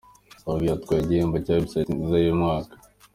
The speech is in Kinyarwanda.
org yatwaye igihembo cya Website nziza y'umwaka.